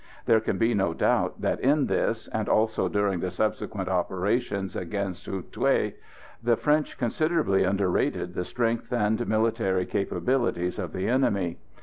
There can be no doubt that in this, and also during the subsequent operations against Hou Thué, the French considerably underrated the strength and military capabilities of the enemy.